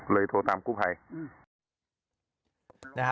เลยโทรตามกู้ไภ